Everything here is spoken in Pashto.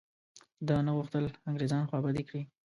ده نه غوښتل انګرېزان خوابدي کړي.